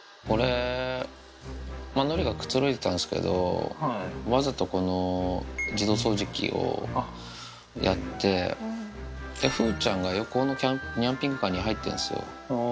のりがくつろいでたんですけど、わざとこの自動掃除機をやって、風ちゃんが横のニャンピングカーに入ってるんですよ。